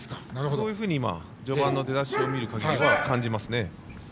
そういうふうに序盤の出だしを見る限りは感じます。